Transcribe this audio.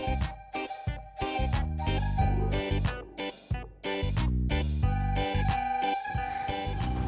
tidak tidak tidak